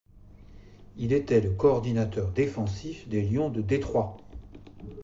Il était le coordinateur défensif des Lions de Detroit.